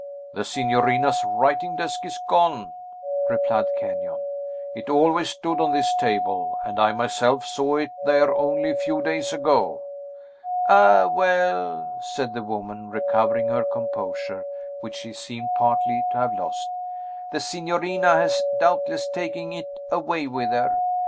"The signorina's writing desk is gone," replied Kenyon; "it always stood on this table, and I myself saw it there only a few days ago." "Ah, well!" said the woman, recovering her composure, which she seemed partly to have lost. "The signorina has doubtless taken it away with her.